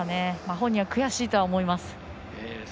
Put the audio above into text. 本人は悔しいと思います。